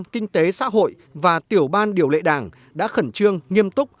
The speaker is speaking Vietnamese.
kinh tế xã hội và tiểu ban điều lệ đảng đã khẩn trương nghiêm túc